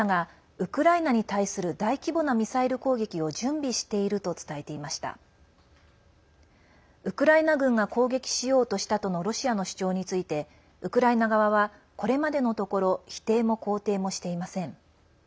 ウクライナ軍が攻撃しようとしたとのロシアの主張についてウクライナ側はこれまでのところ否定も肯定もしていません。